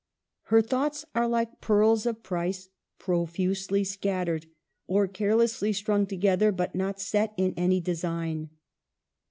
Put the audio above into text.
Her thoughts are like pearls of price profusely scattered, or carelessly strung together, but not set in any design.